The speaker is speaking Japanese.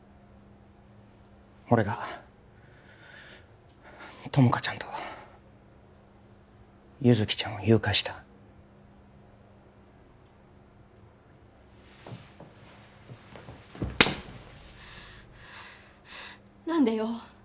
俺が友果ちゃんと優月ちゃんを誘拐した何でよ？